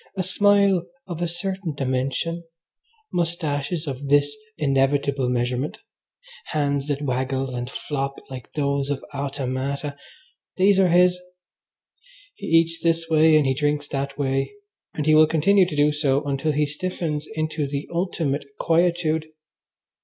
A smile of a certain dimension, moustaches of this inevitable measurement, hands that waggle and flop like those of automata these are his. He eats this way and he drinks that way, and he will continue to do so until he stiffens into the ultimate quietude.